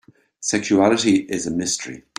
Sexuality is a mystery.